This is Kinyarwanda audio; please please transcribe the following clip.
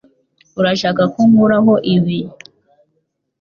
Urashaka ko nkuraho ibi?